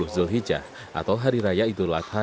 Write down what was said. sepuluh zul hijah atau hari raya idul adha